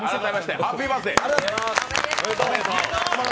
ハッピーバースデー！